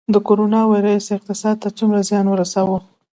د کرونا ویروس اقتصاد ته څومره زیان ورساوه؟